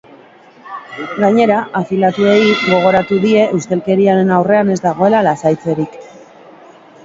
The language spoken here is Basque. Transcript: Gainera, afiliatuei gogoratu die ustelkeriaren aurrean ez dagoela lasaitzerik.